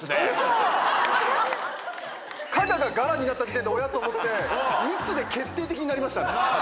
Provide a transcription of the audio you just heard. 「かが」が「柄」になった時点でおや？と思って「みつ」で決定的になりました。